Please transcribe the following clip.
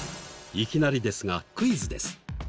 いきなりですがクイズです。